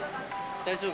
大丈夫？